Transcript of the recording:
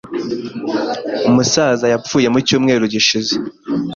Umusaza yapfuye mu cyumweru gishize.